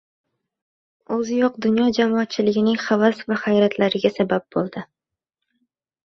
O‘ziyoq dunyo jamoatchiligining havas va hayratlariga sabab bo‘ldi.